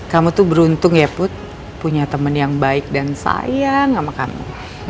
kamu tuh beruntung ya put punya teman yang baik dan sayang sama kamu